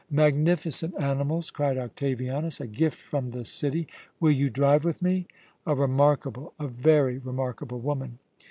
"Magnificent animals!" cried Octavianus; "a gift from the city! Will you drive with me? A remarkable, a very remarkable woman!"